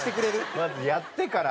まずやってから。